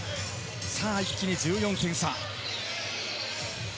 一気に１４点差。